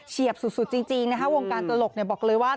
เฉียบสุดจริงวงการตลกบอกเลยว่า